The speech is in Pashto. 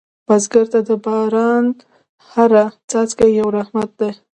بزګر ته د باران هره څاڅکې یو رحمت دی